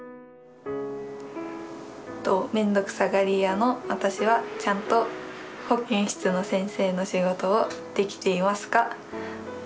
面倒くさがり屋の私はちゃんと保健室の先生の仕事をできていますか？